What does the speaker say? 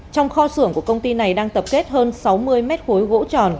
trong kho xưởng của công ty này đang tập kết hơn sáu mươi mét khối gỗ tròn